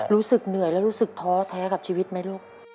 รู้สึกเหนื่อยแล้วรู้สึกท้อแท้กับชีวิตไหมลูก